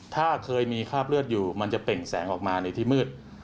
ถ้าเคยมีคราบเลือดอยู่มันจะเปล่งแสงออกมาในที่มืด